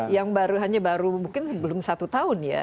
yang baru hanya baru mungkin sebelum satu tahun ya